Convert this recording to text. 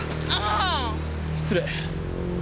あぁ！失礼。